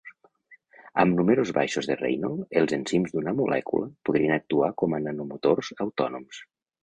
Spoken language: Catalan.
Amb números baixos de Reynold, els enzims d'una molècula podrien actuar com a nanomotors autònoms.